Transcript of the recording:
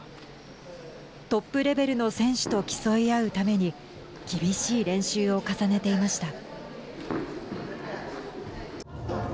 トップレベルの選手と競い合うために厳しい練習を重ねていました。